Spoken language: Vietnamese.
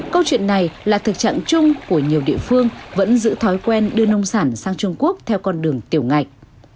câu chuyện này là thực trạng chung của nhiều địa phương vẫn giữ thói quen đưa nông sản sang trung quốc theo con đường tiểu ngạch